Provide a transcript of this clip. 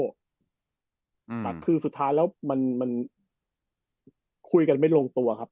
แต่คือสุดท้ายแล้วมันคุยกันไม่ลงตัวครับ